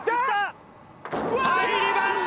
入りました！